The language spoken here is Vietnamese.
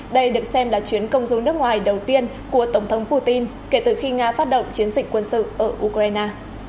đây được xem là chuyến công du nước ngoài đầu tiên của tổng thống putin kể từ khi nga phát động chiến dịch quân sự ở ukraine